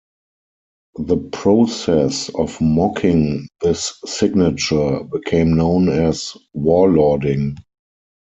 The process of mocking this signature became known as warlording.